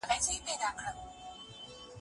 د ژوند حق تر ټولو لوړ حق دی.